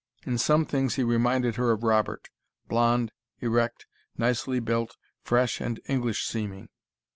In some things he reminded her of Robert: blond, erect, nicely built, fresh and English seeming.